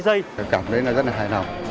tôi cảm thấy nó rất là hài lòng